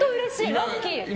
ラッキー！